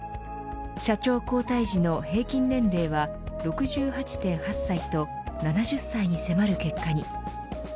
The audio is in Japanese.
社長交代時の平均年齢は６８．８歳と７０歳に迫る結果に。